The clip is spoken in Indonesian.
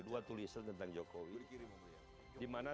disitu saya gimana